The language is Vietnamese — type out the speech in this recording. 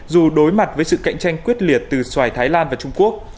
dù đối mặt với sự cạnh tranh quyết liệt từ xoài thái lan và trung quốc